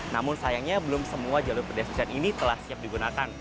namun sayangnya belum semua jalur pedestrian ini telah siap digunakan